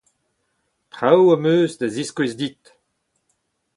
Traoù am eus da ziskouez dit.